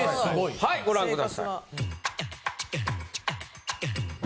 はいご覧ください。